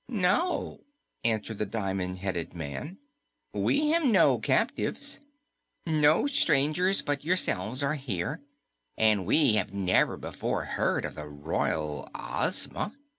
"No," answered the diamond headed man. "We have no captives. No strangers but yourselves are here, and we have never before heard of the Royal Ozma."